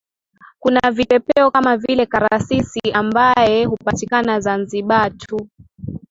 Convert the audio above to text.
Kuna Vipepeo kama vile Karasisi ambaye hupatiakana Zanzibar tu